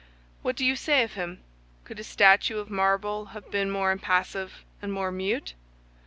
What do you say of him? Could a statue of marble have been more impassive and more mute?